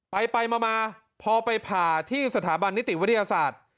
ไปมาพอไปผ่าที่สถาบันนิติวิทยาศาสตร์